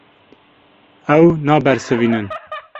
Ew nabersivînin.